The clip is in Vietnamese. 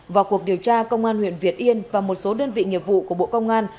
vào cuộc điều tra công an huyện việt yên và một số đơn vị nghiệp vụ của bộ công an